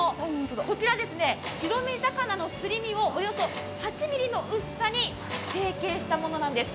こちら、白身魚のすり身をおよそ８ｍｍの薄さに成形したものなんです。